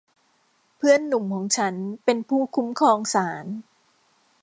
เพื่อนหนุ่มของฉันเป็นผู้คุ้มครองศาล